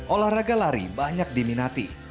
olahraga lari banyak diminati